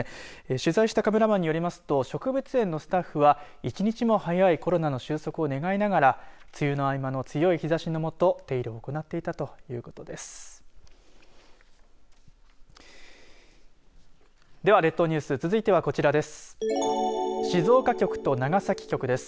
取材したカメラマンによりますと植物園のスタッフは１日も早いコロナの終息を願いながら梅雨の合間の強い日ざしの下手入れを行っていたということです。